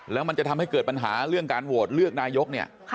แล้วมันจะทำให้เกิดปัญหาเรื่องการโหวตเลือกนายกเนี่ย